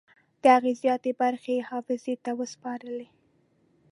د هغه زیاتې برخې یې حافظې ته وسپارلې.